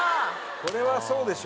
これはそうでしょ。